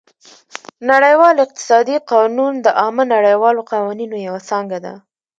نړیوال اقتصادي قانون د عامه نړیوالو قوانینو یوه څانګه ده